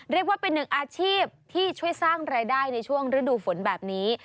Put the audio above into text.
เรียกว่าเป็นหนึ่งอาชีพที่ช่วยสร้างรายได้ในช่วงฤดูฝนแบบนี้